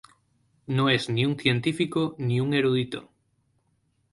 No es ni un científico ni un erudito.